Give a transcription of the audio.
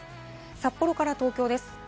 札幌から東京です。